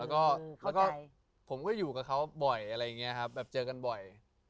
แล้วก็ผมก็อยู่กับเขาเจอกันบ่อย